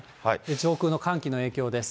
上空の寒気の影響です。